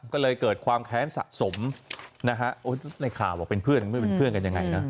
ก็เลยเกิดความแค้นสะสมนะฮะในข่าวบอกเป็นเพื่อนไม่เป็นเพื่อนกันยังไงนะ